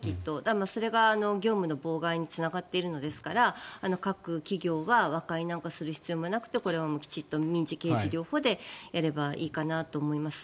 それが業務の妨害につながっているのですから各企業は和解なんかする必要もなくてこれはもうきちんと民事、刑事両方でやればいいかなと思います。